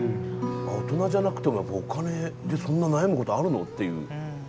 大人じゃなくても、お金でそんな悩むことあるのっていう。